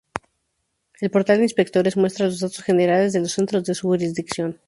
El portal de inspectores muestra los datos generales de los centros de su jurisdicción.